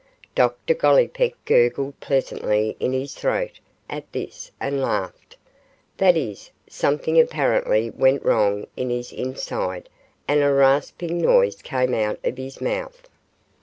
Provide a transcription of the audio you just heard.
Dr Gollipeck gurgled pleasantly in his throat at this and laughed, that is, something apparently went wrong in his inside and a rasping noise came out of his mouth.